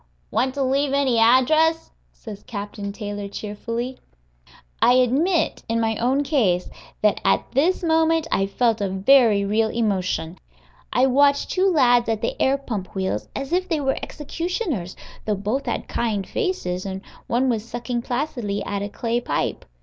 "Want to leave any address?" says Captain Taylor, cheerfully. I admit, in my own case, that at this moment I felt a very real emotion. I watched two lads at the air pump wheels as if they were executioners, though both had kind faces, and one was sucking placidly at a clay pipe.